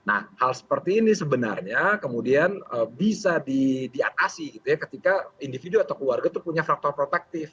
nah hal seperti ini sebenarnya kemudian bisa diatasi gitu ya ketika individu atau keluarga itu punya faktor protektif